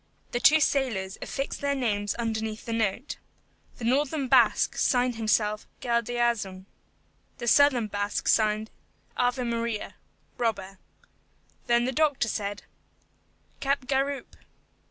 The two sailors affixed their names underneath the note. The northern Basque signed himself, GALDEAZUN. The southern Basque signed, AVE MARIA: Robber. Then the doctor said, "Capgaroupe."